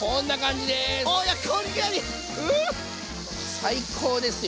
最高ですよ。